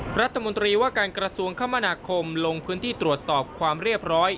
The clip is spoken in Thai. รัฐมนตรีว่าการกระทรวงคมนาคมลงพื้นที่ตรวจสอบความเรียบร้อย